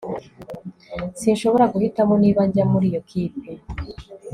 Sinshobora guhitamo niba njya muri iyo kipe